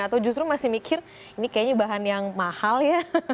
atau justru masih mikir ini kayaknya bahan yang mahal ya